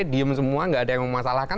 diam semua tidak ada yang memasalahkan